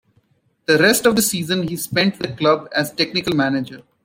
The rest of the season he spent with the club as technical manager.